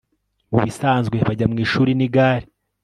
mubisanzwe bajya mwishuri nigare